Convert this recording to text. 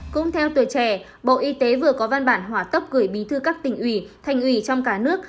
cũng theo tuổi trẻ bộ y tế vừa có văn bản hỏa tốc gửi bí thư các tỉnh ủy thành ủy trong cả nước